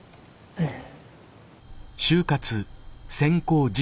うん。